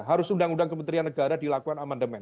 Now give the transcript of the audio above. harus undang undang kementerian negara dilakukan amandemen